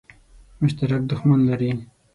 مشترک دښمن لري.